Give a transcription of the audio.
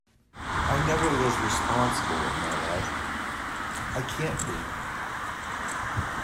I never was responsible in my life — I can't be.